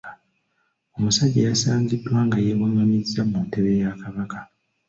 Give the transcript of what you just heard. Omusajja yasangiddwa nga yewaղղamiza mu ntebe ya Kabaka.